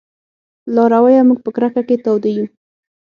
لارويه! موږ په کرکه کې تاوده يو